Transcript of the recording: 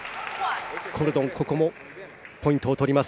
コルドンここもポイントを取ります